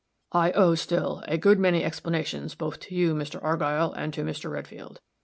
"] "I owe, still, a good many explanations both to you, Mr. Argyll, and to Mr. Redfield.